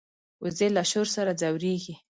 وزې له شور سره ځورېږي